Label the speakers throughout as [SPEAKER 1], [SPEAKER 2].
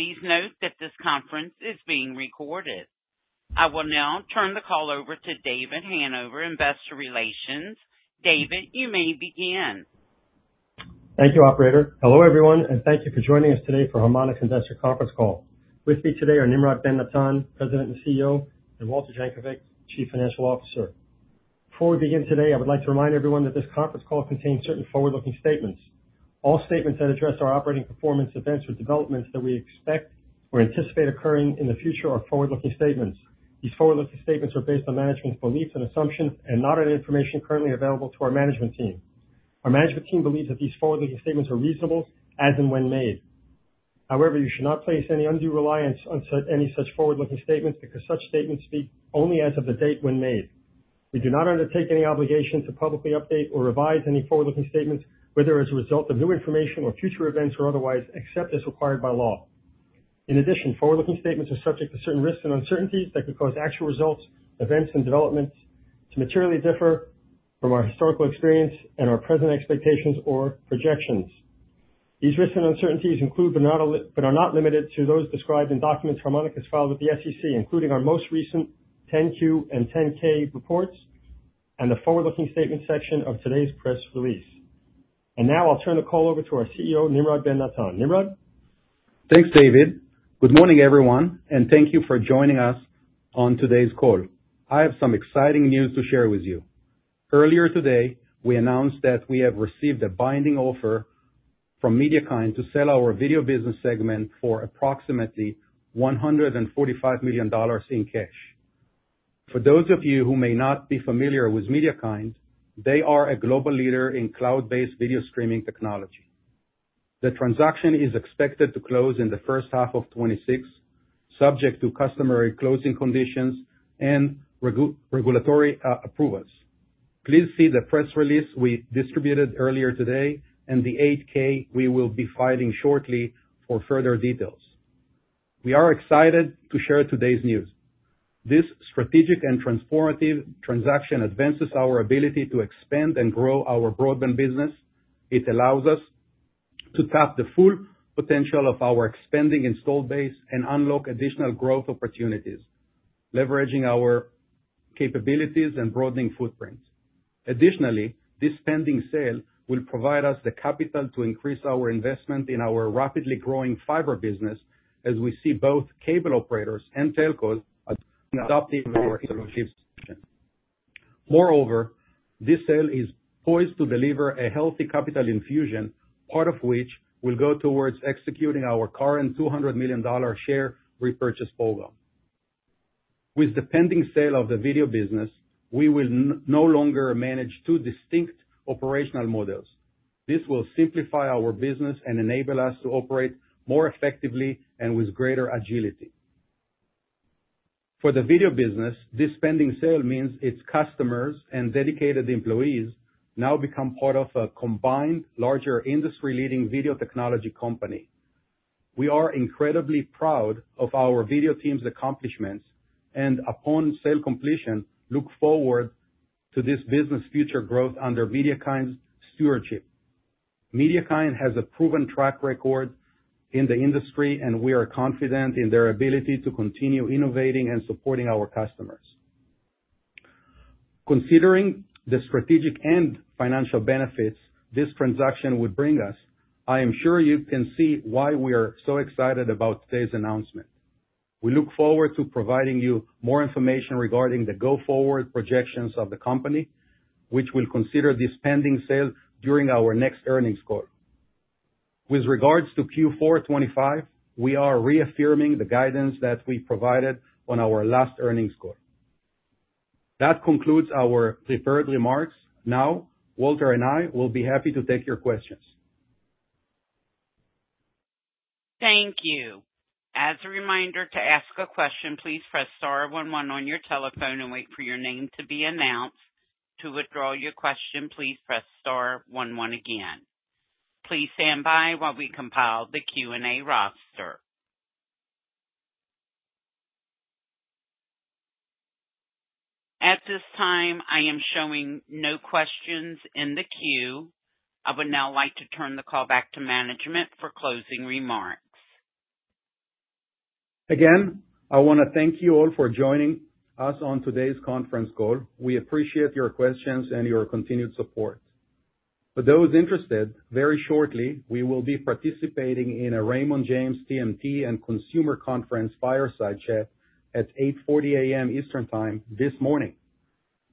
[SPEAKER 1] Please note that this conference is being recorded. I will now turn the call over to David Hanover, Investor Relations. David, you may begin.
[SPEAKER 2] Thank you, Operator. Hello, everyone, and thank you for joining us today for Harmonic Investor Conference Call. With me today are Nimrod Ben-Natan, President and CEO, and Walter Jankovic, Chief Financial Officer. Before we begin today, I would like to remind everyone that this conference call contains certain forward-looking statements. All statements that address our operating performance events or developments that we expect or anticipate occurring in the future are forward-looking statements. These forward-looking statements are based on management's beliefs and assumptions and not on information currently available to our management team. Our management team believes that these forward-looking statements are reasonable as and when made. However, you should not place any undue reliance on any such forward-looking statements because such statements speak only as of the date when made. We do not undertake any obligation to publicly update or revise any forward-looking statements, whether as a result of new information or future events or otherwise, except as required by law. In addition, forward-looking statements are subject to certain risks and uncertainties that could cause actual results, events, and developments to materially differ from our historical experience and our present expectations or projections. These risks and uncertainties include but are not limited to those described in documents Harmonic has filed with the SEC, including our most recent 10Q and 10K reports and the forward-looking statement section of today's press release. And now I'll turn the call over to our CEO, Nimrod Ben-Natan. Nimrod?
[SPEAKER 3] Thanks, David. Good morning, everyone, and thank you for joining us on today's call. I have some exciting news to share with you. Earlier today, we announced that we have received a binding offer from MediaKind to sell our video business segment for approximately $145 million in cash. For those of you who may not be familiar with MediaKind, they are a global leader in cloud-based video streaming technology. The transaction is expected to close in the first half of 2026, subject to customary closing conditions and regulatory approvals. Please see the press release we distributed earlier today and the 8-K we will be filing shortly for further details. We are excited to share today's news. This strategic and transformative transaction advances our ability to expand and grow our broadband business. It allows us to tap the full potential of our expanding installed base and unlock additional growth opportunities, leveraging our capabilities and broadening footprint. Additionally, this pending sale will provide us the capital to increase our investment in our rapidly growing fiber business as we see both cable operators and telcos adopting our solution. Moreover, this sale is poised to deliver a healthy capital infusion, part of which will go towards executing our current $200 million share repurchase program. With the pending sale of the video business, we will no longer manage two distinct operational models. This will simplify our business and enable us to operate more effectively and with greater agility. For the video business, this pending sale means its customers and dedicated employees now become part of a combined larger industry-leading video technology company. We are incredibly proud of our video team's accomplishments and, upon sale completion, look forward to this business's future growth under MediaKind's stewardship. MediaKind has a proven track record in the industry, and we are confident in their ability to continue innovating and supporting our customers. Considering the strategic and financial benefits this transaction would bring us, I am sure you can see why we are so excited about today's announcement. We look forward to providing you more information regarding the go-forward projections of the company, which will consider this pending sale during our next earnings call. With regards to Q4 2025, we are reaffirming the guidance that we provided on our last earnings call. That concludes our prepared remarks. Now, Walter and I will be happy to take your questions.
[SPEAKER 1] Thank you. As a reminder to ask a question, please press star 11 on your telephone and wait for your name to be announced. To withdraw your question, please press star 11 again. Please stand by while we compile the Q&A roster. At this time, I am showing no questions in the queue. I would now like to turn the call back to management for closing remarks.
[SPEAKER 3] Again, I want to thank you all for joining us on today's conference call. We appreciate your questions and your continued support. For those interested, very shortly, we will be participating in a Raymond James TMT and Consumer Conference Fireside Chat at 8:40 A.M. Eastern Time this morning.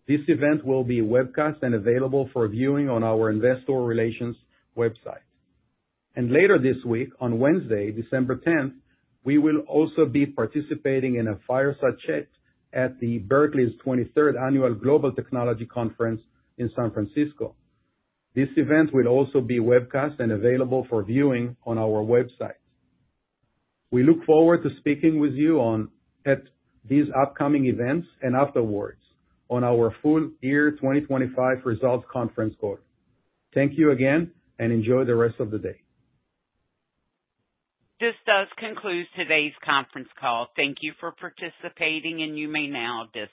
[SPEAKER 3] This event will be webcast and available for viewing on our Investor Relations website, and later this week, on Wednesday, December 10th, we will also be participating in a Fireside Chat at the Barclays' 23rd Annual Global Technology Conference in San Francisco. This event will also be webcast and available for viewing on our website. We look forward to speaking with you at these upcoming events and afterwards on our full year 2025 results conference call. Thank you again, and enjoy the rest of the day.
[SPEAKER 1] This does conclude today's conference call. Thank you for participating, and you may now disconnect.